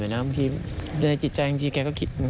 ในจิตใจแค่ก็คิด